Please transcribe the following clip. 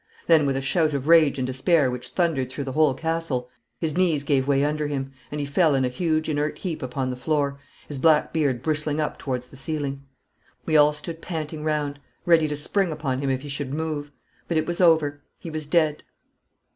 Then, with a shout of rage and despair which thundered through the whole castle, his knees gave way under him, and he fell in a huge inert heap upon the floor, his black beard bristling up towards the ceiling. We all stood panting round, ready to spring upon him if he should move; but it was over. He was dead.